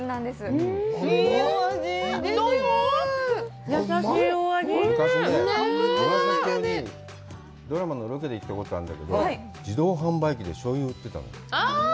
昔ね、湯浅町にドラマのロケで行ったことあるんだけど、自動販売機で醤油を売ってたの。